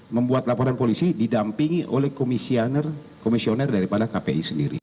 membuat laporan polisi didampingi oleh komisioner daripada kpi sendiri